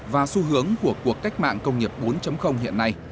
và xu hướng của cuộc cách mạng công nghiệp bốn hiện nay